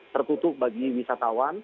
tertutup bagi wisatawan